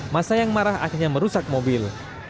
masa yang marah akhirnya merusak mobil